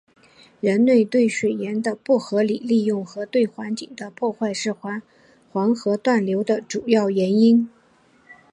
人类对水资源的不合理利用和对环境的破坏是黄河断流的主要原因。